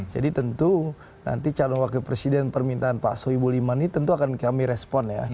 jadi tentu nanti calon wakil presiden permintaan pak soebo limani tentu akan kami respon ya